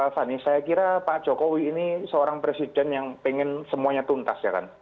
fani saya kira pak jokowi ini seorang presiden yang pengen semuanya tuntas ya kan